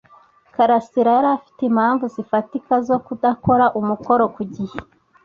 karasira yari afite impamvu zifatika zo kudakora umukoro ku gihe.